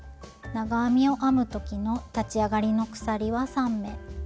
長編みを編む時の立ち上がりの鎖は３目。